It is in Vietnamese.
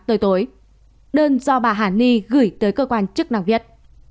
tới tối đơn do bà hằng li gửi tới cơ quan chức năng viết